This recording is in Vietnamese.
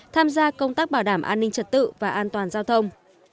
tham gia công tác bảo đảm an ninh trật tự và an toàn giao thông